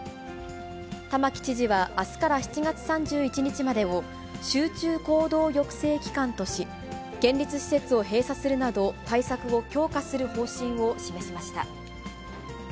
玉城知事は、あすから７月３１日までを、集中行動抑制期間とし、県立施設を閉鎖するなど、対策を強化する方針を示しました。